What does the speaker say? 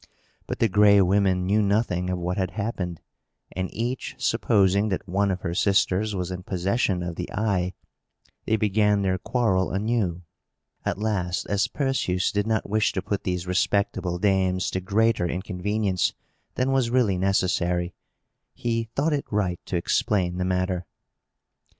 But the Gray Women knew nothing of what had happened; and, each supposing that one of her sisters was in possession of the eye, they began their quarrel anew. At last, as Perseus did not wish to put these respectable dames to greater inconvenience than was really necessary, he thought it right to explain the matter.